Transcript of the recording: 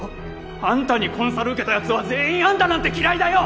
あんたにコンサル受けた奴は全員あんたなんて嫌いだよ！